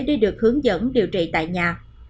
để được hướng dẫn điều trị tại nhà